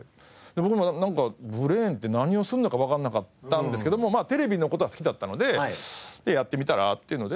僕もブレーンって何をするのかわからなかったんですけどもテレビの事は好きだったので「やってみたら？」っていうので。